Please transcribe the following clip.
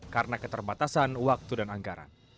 karena keterbatasan waktu dan peraturan